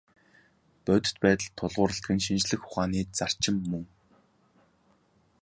Бодит байдалд тулгуурладаг нь шинжлэх ухааны зарчим мөн.